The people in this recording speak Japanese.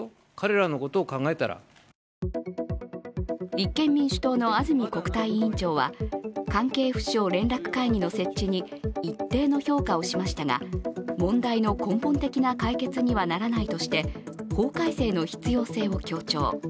立憲民主党の安住国対委員長は関係府省連絡会議の設置に一定の評価をしましたが、問題の根本的な解決にはならないとして、法改正の必要性を強調。